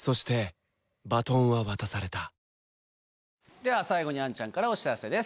では最後に杏ちゃんからお知らせです。